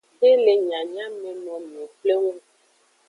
De le nyanyamenomiwo pleng o.